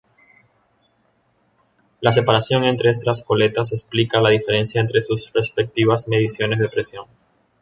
La separación entre estas goletas explica la diferencia entre sus respectivas mediciones de presión.